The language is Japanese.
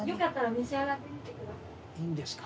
いいんですか？